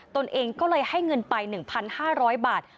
ตนเองก็เลยให้เงินไปหนึ่งพันห้าร้อยบาท